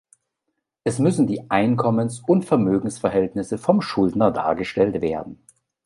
Es müssen die Einkommens- und Vermögensverhältnisse vom Schuldner dargestellt werden.